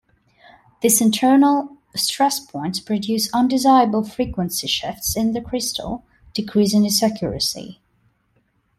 These internal stress points produce undesirable frequency shifts in the crystal, decreasing its accuracy.